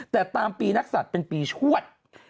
แต่ตามปีนักศัตริย์เป็นปีชวด